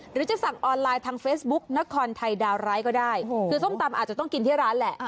หรือจะสั่งออนไลน์ทางเฟซบุ๊กนครไทยดาวร้ายก็ได้คือส้มตำอาจจะต้องกินที่ร้านแหละ